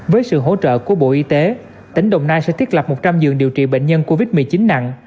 với sự hỗ trợ của bộ y tế tỉnh đồng nai sẽ thiết lập một trăm linh giường điều trị bệnh nhân covid một mươi chín nặng